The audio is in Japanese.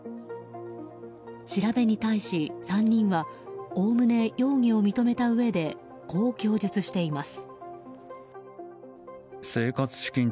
調べに対し、３人はおおむね容疑を認めたうえでこう供述しています。